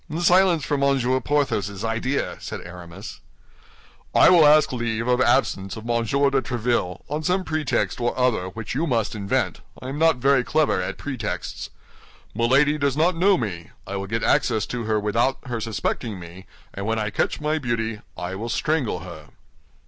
"Silence for Monsieur Porthos's idea!" said Aramis. "I will ask leave of absence of Monsieur de Tréville, on some pretext or other which you must invent; I am not very clever at pretexts. Milady does not know me; I will get access to her without her suspecting me, and when I catch my beauty, I will strangle her."